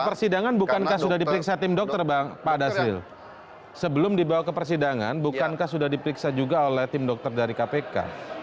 pak dasril sebelum dibawa ke persidangan bukankah sudah diperiksa juga oleh tim dokter dari kpk